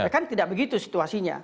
kan tidak begitu situasinya